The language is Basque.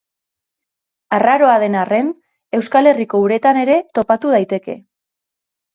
Arraroa den arren, Euskal Herriko uretan ere topatu daiteke.